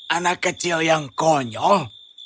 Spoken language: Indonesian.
anak kecil yang konyol